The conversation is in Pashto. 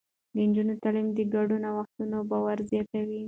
د نجونو تعليم د ګډو نوښتونو باور زياتوي.